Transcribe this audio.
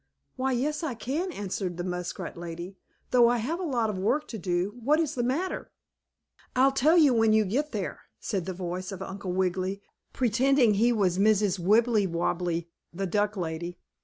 "Why, yes, I can," answered the muskrat lady, "though I have a lot of work to do. What is the matter?" "I'll tell you when you get there," said the voice of Uncle Wiggily, pretending he was Mrs. Wibblewobble, the duck lady.